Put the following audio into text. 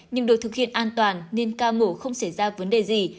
nhưng được thực hiện an toàn nên ca mổ không xảy ra vấn đề gì